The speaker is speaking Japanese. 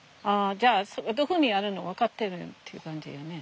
じゃあどこにあるの分かってるっていう感じやね。